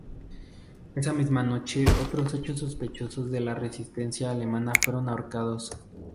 Esa misma noche otros ocho sospechosos de la resistencia alemana fueron ahorcados.